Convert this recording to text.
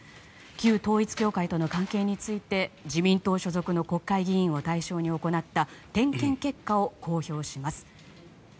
旧統一教会との関係について自民党所属の国会議員を対象に行った点検結果を公表します。